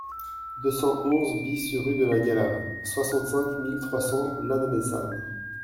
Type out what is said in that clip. deux cent onze BIS rue de la Galave, soixante-cinq mille trois cents Lannemezan